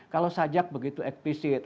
kalau sajak begitu eksplisit